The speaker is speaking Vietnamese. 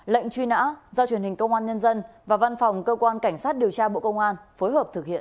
lệnh truy nã do truyền hình công an nhân dân và văn phòng cơ quan cảnh sát điều tra bộ công an phối hợp thực hiện